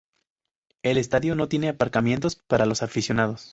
El estadio no tiene aparcamientos para los aficionados.